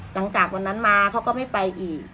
หลังจากวันนั้นมาเขาก็ไม่ไปอีก